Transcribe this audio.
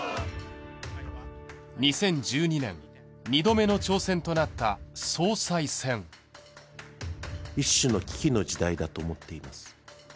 ２０１２年２度目の挑戦となった総裁選一種の危機の時代だと思っています